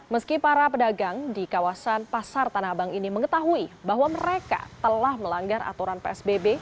meski para pedagang di kawasan pasar tanah abang ini mengetahui bahwa mereka telah melanggar aturan psbb